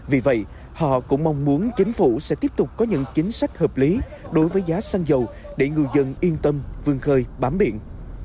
vì vậy họ cũng mong muốn chính phủ sẽ tiếp tục có những chính sách hợp lý đối với giá xăng dầu để ngư dân yên tâm vươn khơi bám biển